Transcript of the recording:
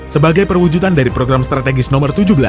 sebagai perwujudan dari program strategis nomor tujuh belas